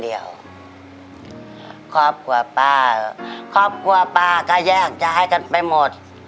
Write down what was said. ครอบครัวป้าครอบครัวป้าก็แยกย้ายกันไปหมด